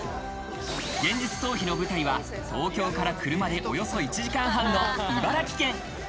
現実逃避の舞台は東京から車でおよそ１時間半の茨城県。